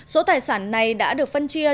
số tài sản này đã được phân chia